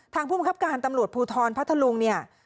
ผู้บังคับการตำรวจภูทรพัทธลุงเนี่ย